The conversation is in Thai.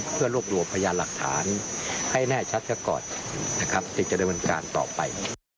เพื่อรวบรวมพยานหลักฐานให้แน่ชัดก่อนที่จะได้บันการต่อไป